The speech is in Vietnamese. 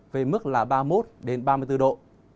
về mức là ba mươi một ba mươi bốn độ